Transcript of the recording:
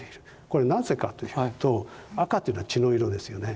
これなぜかというと赤というのは血の色ですよね。